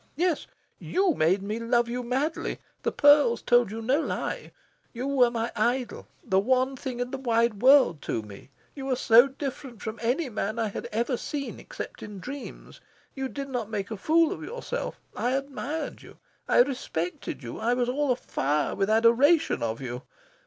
Yes, you made me love you madly. The pearls told you no lie. You were my idol the one thing in the wide world to me. You were so different from any man I had ever seen except in dreams. You did not make a fool of yourself. I admired you. I respected you. I was all afire with adoration of you.